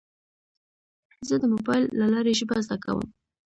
زه د موبایل له لارې ژبه زده کوم.